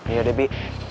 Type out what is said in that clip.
iya deh bi